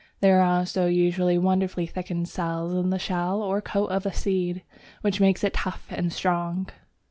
There are also usually wonderfully thickened cells in the shell or coat of a seed, which makes it tough and strong.